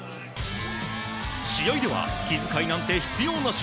試合では気遣いなんて必要なし。